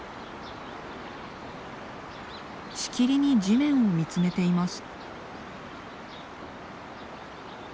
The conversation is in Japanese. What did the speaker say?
しきりに地面を見つめています。